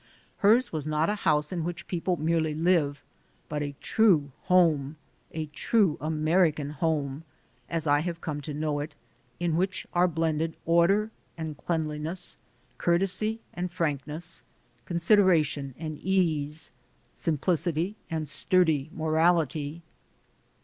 Hers was not a house in which people merely live, but a true home, a true American home, as I have come to know it, in which are blended order and cleanliness, courtesy and frankness, consideration and ease, simplicity and sturdy morality.